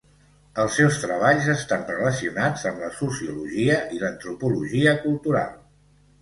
Els seus treballs estan relacionats amb la sociologia i l'antropologia cultural.